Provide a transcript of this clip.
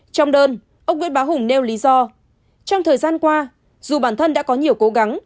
trong đơn ông nguyễn bá hùng nêu lý do trong thời gian qua dù bản thân đã có nhiều cố gắng